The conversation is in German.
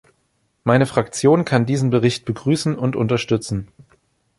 Meine Fraktion kann diesen Bericht begrüßen und unterstützen.